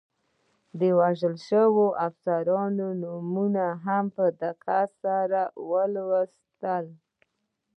د وژل شویو افسرانو نومونه مې هم په دقت سره ولوستل.